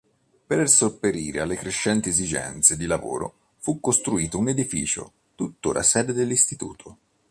Per sopperire alle crescenti esigenze di lavoro, fu costruito un edificio, tuttora sede dell'Istituto.